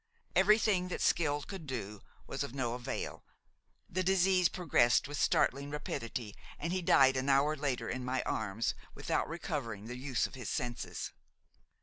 Everything that skill could do was of no avail, the disease progressed with startling rapidity, and he died an hour later, in my arms, without recovering the use of his senses.